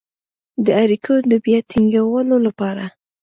د اړیکو د بيا ټينګولو لپاره